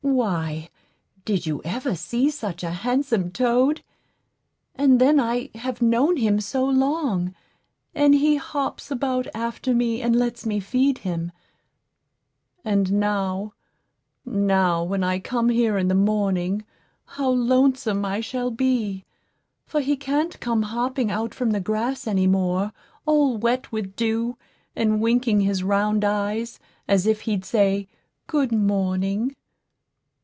Why, did you ever see such a handsome toad? And then I have known him so long, and he hops about after me and lets me feed him; and now, now, when I come here in the morning, how lonesome I shall be, for he can't come hopping out from the grass any more, all wet with dew, and winking his round eyes, as if he'd say, 'Good morning.'"